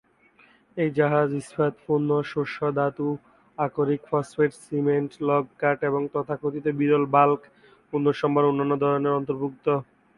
এই জাহাজ ইস্পাত পণ্য, শস্য, ধাতু আকরিক, ফসফেট, সিমেন্ট, লগ, কাঠ এবং তথাকথিত 'বিরল বাল্ক পণ্যসম্ভার' অন্যান্য ধরনের অন্তর্ভুক্ত।